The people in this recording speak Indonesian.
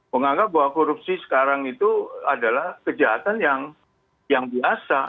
menganggap bahwa korupsi sekarang itu adalah kejahatan yang biasa